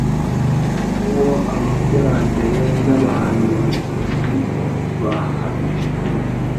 uwo abakurambere n'abahariuzi bahamije.